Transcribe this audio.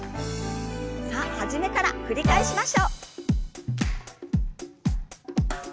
さあ初めから繰り返しましょう。